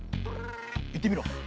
言ってみろ。